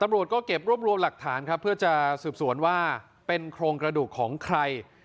ตำรวจก็เก็บรวบรวมหลักฐานครับเพื่อจะสืบสวนว่าเป็นโครงกระดูกของใคร